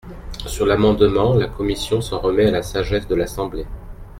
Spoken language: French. Sur l’amendement, la commission s’en remet à la sagesse de l’Assemblée.